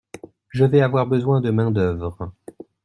Je vais avoir besoin de main-d’œuvre.